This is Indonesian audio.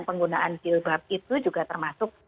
penggunaan jilbab itu juga termasuk